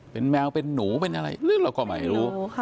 เป็นแมวเป็นหนูเป็นอะไรหรือเราก็ไม่รู้